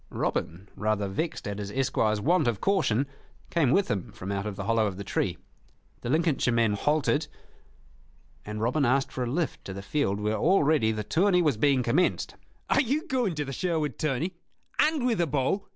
Robin, rather vexed at his esquire's want of caution, came with him from out of the hollow of the tree. The Lincolnshire men halted, and Robin asked for a lift to the field where already the tourney was being commenced. "Are you going to the Sherwood tourney, and with a bow?"